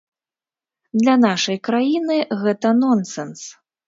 Для нашай краіны гэта нонсэнс.